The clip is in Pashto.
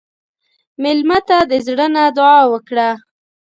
مېلمه ته د زړه نه دعا وکړه.